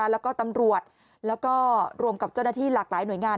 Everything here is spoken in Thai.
แล้วก็ตำรวจแล้วก็รวมกับเจ้าหน้าที่หลากหลายหน่วยงาน